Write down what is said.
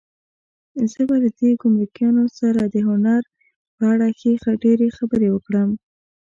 زه به له دې ګمرکیانو سره د هنر په اړه ښې ډېرې خبرې وکړم.